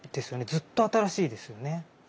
ずっと新しいですよね。